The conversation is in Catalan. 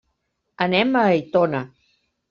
Anem a Aitona.